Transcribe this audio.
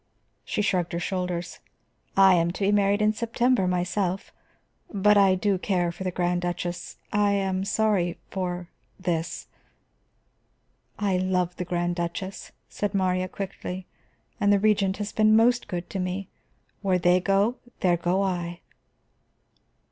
She shrugged her shoulders. "I am to be married in September, myself. But I do care for the Grand Duchess; I am sorry for this." "I love the Grand Duchess," said Marya quickly. "And the Regent has been most good to me. Where they go, there go I."